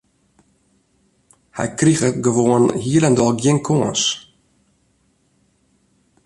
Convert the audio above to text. Hy kriget gewoan hielendal gjin kâns.